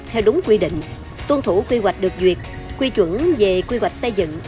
theo đúng quy định tuân thủ quy hoạch được duyệt quy chuẩn về quy hoạch xây dựng